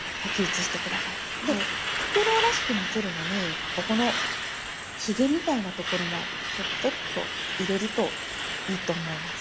でフクロウらしく見せるのにここのひげみたいなところもチョッチョッと入れるといいと思います。